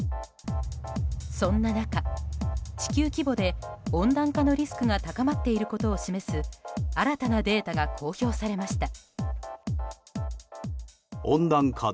そんな中、地球規模で温暖化のリスクが高まっていることを示す新たなデータが公表されました。